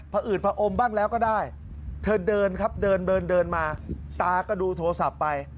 พออืดผอมบ้างแล้วก็ได้เธอเดินครับเดินเดินมาตาก็ดูโทรศัพท์ไป